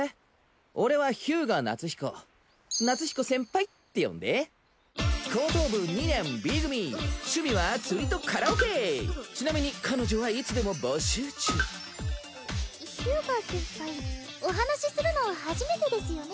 俺は日向夏彦「夏彦先輩」って呼んで高等部２年Ｂ組趣味は釣りとカラオケちなみに彼女はいつでも募集中日向先輩お話しするの初めてですよね？